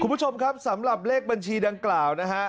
คุณผู้ชมครับสำหรับเลขบัญชีดังกล่าวนะฮะ